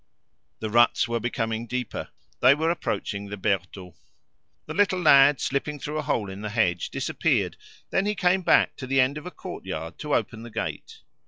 The ruts were becoming deeper; they were approaching the Bertaux. The little lad, slipping through a hole in the hedge, disappeared; then he came back to the end of a courtyard to open the gate.